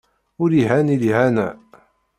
Ur ihan i lihana.